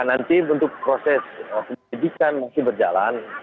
nanti untuk proses penyelidikan masih berjalan